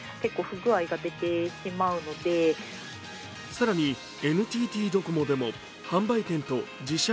更に、ＮＴＴドコモでも販売店と自社